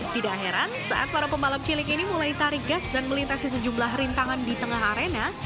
tidak heran saat para pembalap cilik ini mulai tarik gas dan melintasi sejumlah rintangan di tengah arena